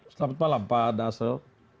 selamat malam pak dasril